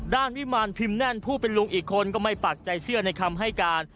วิมารพิมพ์แน่นผู้เป็นลุงอีกคนก็ไม่ปักใจเชื่อในคำให้การ